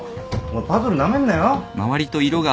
パズルなめんなよ。